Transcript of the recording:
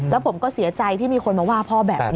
แล้วผมก็เสียใจที่มีคนมาว่าพ่อแบบนี้